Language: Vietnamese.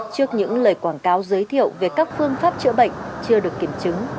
trước những lời quảng cáo giới thiệu về các phương pháp chữa bệnh chưa được kiểm chứng